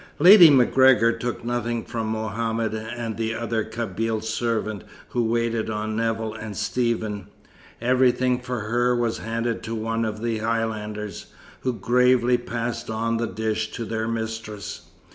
Lady MacGregor took nothing from Mohammed and the other Kabyle servant who waited on Nevill and Stephen. Everything for her was handed to one of the Highlanders, who gravely passed on the dish to their mistress.